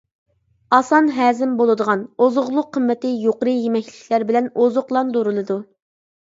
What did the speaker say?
ئاسان ھەزىم بولىدىغان، ئوزۇقلۇق قىممىتى يۇقىرى يېمەكلىكلەر بىلەن ئوزۇقلاندۇرۇلىدۇ.